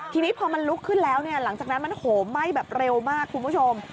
ทีนี้พอมันลุกขึ้นแล้วเนี่ยหลังจากนั้นมันโหมไหม้แบบเร็วมากคุณผู้ชม